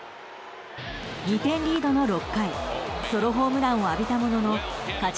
２点リードの６回ソロホームランを浴びたものの勝ち